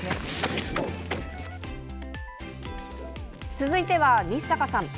続いては日坂さん。